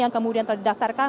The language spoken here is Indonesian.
yang kemudian telah didaftarkan